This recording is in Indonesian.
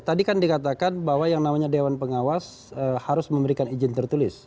tadi kan dikatakan bahwa yang namanya dewan pengawas harus memberikan izin tertulis